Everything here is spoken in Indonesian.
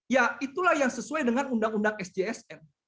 ya itulah yang sesuai dengan undang undang sjsn